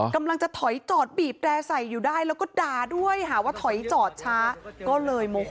กำลังจะถอยจอดบีบแร่ใส่อยู่ได้แล้วก็ด่าด้วยหาว่าถอยจอดช้าก็เลยโมโห